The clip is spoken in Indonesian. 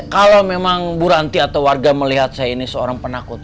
kalau memang bu ranti atau warga melihat saya ini seorang penakut